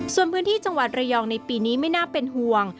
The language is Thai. ส่วนพื้นที่จังหวัดระยองในปีนี้ไม่น่าเป็นห่วง